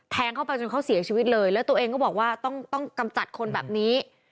เข้าไปจนเขาเสียชีวิตเลยแล้วตัวเองก็บอกว่าต้องต้องกำจัดคนแบบนี้